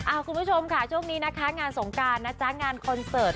คุณผู้ชมค่ะช่วงนี้นะคะงานสงการนะจ๊ะงานคอนเสิร์ต